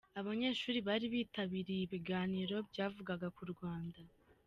Abanyeshuri bari bitabiriye ibiganiro byavugaga ku Rwanda.